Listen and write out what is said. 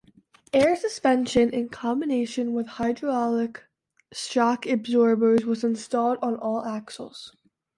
Air suspension in combination with hydraulic shock absorbers was installed on all axles.